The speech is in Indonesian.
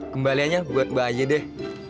kembaliannya buat mbak aja deh